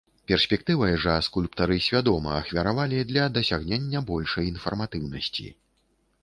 Перспектывай жа скульптары свядома ахвяравалі для дасягнення большай інфарматыўнасці.